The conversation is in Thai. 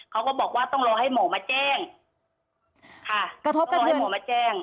เขาก็บอกว่าต้องรอให้หมอมาแจ้ง